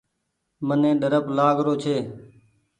مني ڏرپ لآگ رو ڇي۔